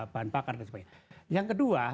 bahan bakar dan sebagainya yang kedua